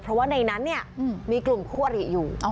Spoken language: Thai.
เพราะว่าในนั้นเนี่ยมีกลุ่มคู่อริอยู่